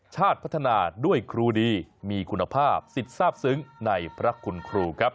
ชาติพัฒนาด้วยครูดีมีคุณภาพสิทธิ์ทราบซึ้งในพระคุณครูครับ